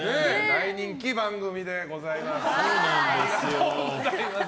大人気番組でございます。